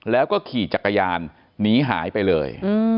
แล้วก็ขี่จักรยานหนีหายไปเลย